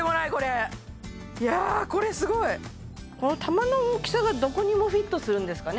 この玉の大きさがどこにもフィットするんですかね